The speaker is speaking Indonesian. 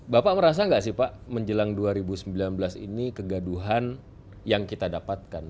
bapak merasa nggak sih pak menjelang dua ribu sembilan belas ini kegaduhan yang kita dapatkan